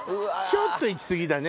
ちょっといき過ぎだね。